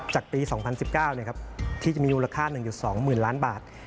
จากปี๒๐๑๙ที่จะมีมูลค่า๑๒๐๐๐ล้านบาท